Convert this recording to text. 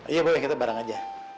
iya boleh kita bareng aja